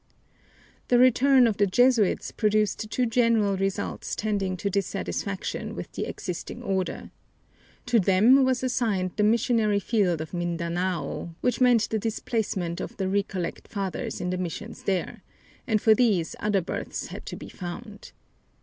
The return of the Jesuits produced two general results tending to dissatisfaction with the existing order. To them was assigned the missionary field of Mindanao, which meant the displacement of the Recollect Fathers in the missions there, and for these other berths had to be found.